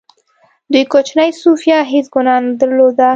دې کوچنۍ سوفیا هېڅ ګناه نه درلوده